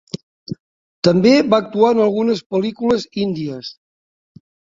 També va actuar en algunes pel·lícules índies.